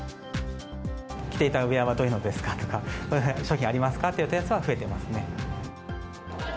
着ていたウエアはどういうのですかとか、商品ありますか？というお問い合わせは増えています